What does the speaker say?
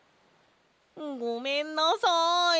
ごめんなさい。